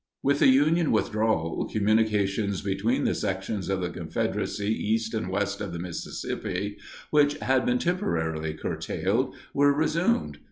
] With the Union withdrawal, communications between the sections of the Confederacy east and west of the Mississippi, which had been temporarily curtailed, were resumed.